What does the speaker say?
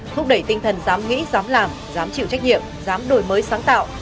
thúc đẩy tinh thần dám nghĩ dám làm dám chịu trách nhiệm dám đổi mới sáng tạo